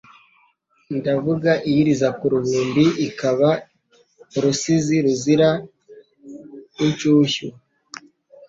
Ndavuga iyiriza ku ruhimbi, Ikaba urusizi ruzira inshushyu !